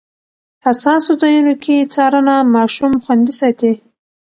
حساسو ځایونو کې څارنه ماشوم خوندي ساتي.